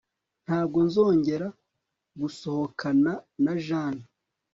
Ntabwo nzongera gusohokana na Jane